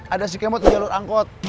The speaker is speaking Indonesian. ada si kemot di jalur angkot